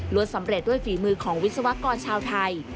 สำเร็จด้วยฝีมือของวิศวกรชาวไทย